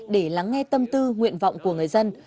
để lắng nghe tâm tư nguyện vọng của người dân